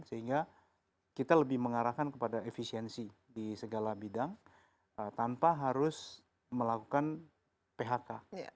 sehingga kita lebih mengarahkan kepada efisiensi di segala bidang tanpa harus melakukan phk